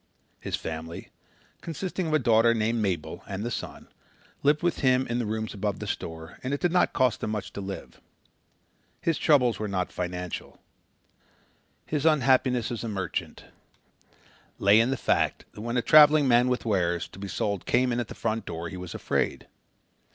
His family, consisting of a daughter named Mabel and the son, lived with him in rooms above the store and it did not cost them much to live. His troubles were not financial. His unhappiness as a merchant lay in the fact that when a traveling man with wares to be sold came in at the front door he was afraid.